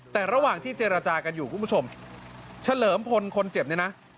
แต่ระหว่างที่เจรจากันอยู่คุณผู้ชมเฉลิมพลคนเจ็บเนี่ยนะ